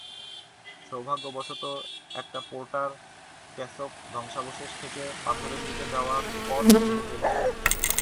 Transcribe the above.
সৌভাগ্যবশত, একটা porter cask ধ্বংসাবশেষ থেকে পাথরের দিকে যাওয়ার পথ খুঁজে পেয়েছিল।